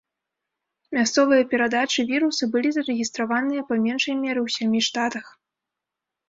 Мясцовыя перадачы віруса былі зарэгістраваныя па меншай меры ў сямі штатах.